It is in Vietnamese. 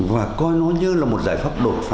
và coi nó như là một giải pháp đột phá